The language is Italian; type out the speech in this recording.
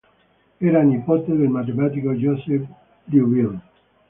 Era nipote del matematico Joseph Liouville.